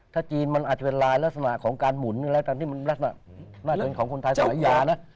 ถ้าจีนมันอาจจะเป็นลายลักษณะของการหมุนน่าจะเป็นของคนไทยสวัสดีนะ